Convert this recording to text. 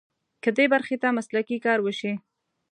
که دې برخې ته مسلکي کار وشي.